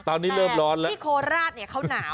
ตอนนี้เริ่มร้อนแล้วแต่ที่โคราชเขาหนาว